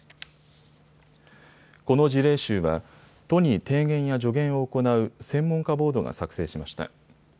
この事例集は都に提言や助言を行う専門家ボードが作成しました。